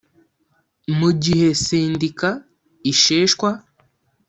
Mu gihe sendika isheshwa